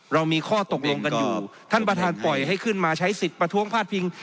เรามีข้อตกลงกันอยู่ท่านประธานปล่อยให้ขึ้นมาใช้สิทธิ์ประท้วงพาดพิง